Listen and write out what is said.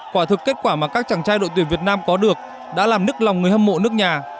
quả thực kết quả mà các chàng trai đội tuyển việt nam có được đã làm nức lòng người hâm mộ nước nhà